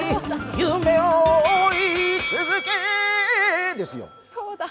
夢を追い続けですよ